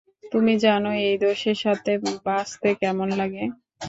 তুমি জানো এই দোষের সাথে বাঁচতে কেমন লাগে?